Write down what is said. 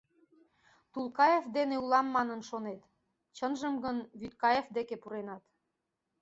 Тулкаев дене улам манын шонет, чынжым гын Вӱдкаев деке пуренат.